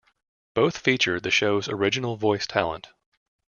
Both feature the show's original voice talent.